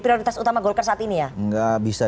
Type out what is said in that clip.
prioritas utama golkar saat ini ya nggak bisa